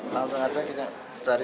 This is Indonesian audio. langsung saja kita cari cari